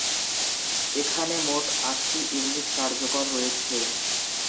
এখানে মোট আটটি ইউনিট কার্যকর রয়েছে।